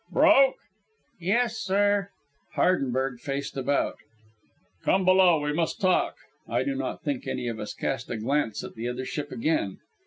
"Broke?" "Yes, sir." Hardenberg faced about. "Come below. We must talk." I do not think any of us cast a glance at the Other Ship again.